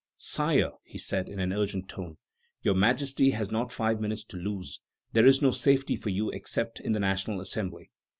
"Sire," he said in an urgent tone, "Your Majesty has not five minutes to lose; there is no safety for you except in the National Assembly.